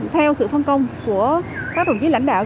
theo sự phân công của các đồng chí lãnh đạo